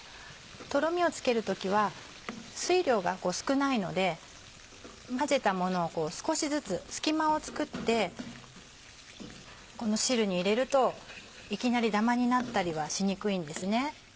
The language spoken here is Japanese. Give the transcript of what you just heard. とろみをつける時は水量が少ないので混ぜたものを少しずつ隙間を作ってこの汁に入れるといきなりダマになったりはしにくいんですね。